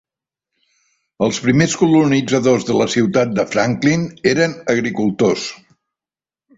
Els primers colonitzadors de la ciutat de Franklin eren agricultors.